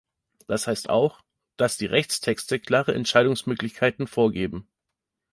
Das heißt auch, dass die Rechtstexte klare Entscheidungsmöglichkeiten vorgeben.